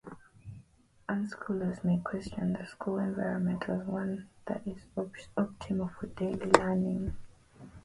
Unschoolers may question the school environment as one that is optimal for daily learning.